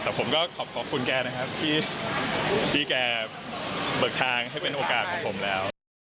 แต่ผมก็ขอขอบคุณแกนะครับที่แกเบิกทางให้เป็นโอกาสของผมแล้ว